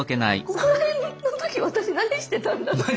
ここら辺の時私何してたんだろう？